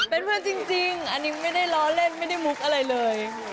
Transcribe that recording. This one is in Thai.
เป็นเพื่อนจริงอันนี้ไม่ได้ล้อเล่นไม่ได้มุกอะไรเลย